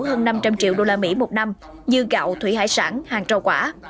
hơn năm trăm linh triệu usd một năm như gạo thủy hải sản hàng rau quả